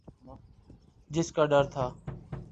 جس کا ڈر تھا۔